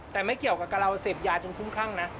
แต่ไม่เกี่ยวกับเราเห็นเหนือกันจนกุ้งค่านะ